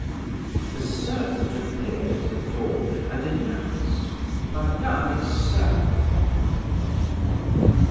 A servant appeared at the door and announced: "Madame is served."